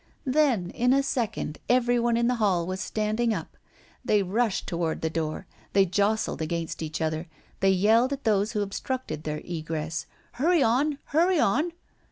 Then, in a second everyone in the hall was standing up. They rushed toward the door; they jostled against each other; they yelled at those who obstructed their egress: "Hurry on! hurry on!"